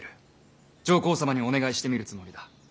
上皇様にお願いしてみるつもりだ。